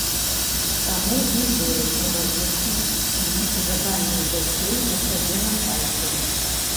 Таму і вырашыла размясціць спіс жаданняў дзяцей у сябе на сайце.